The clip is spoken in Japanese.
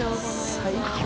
最高。